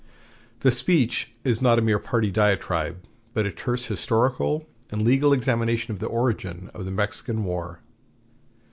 The speech is not a mere party diatribe, but a terse historical and legal examination of the origin of the Mexican War.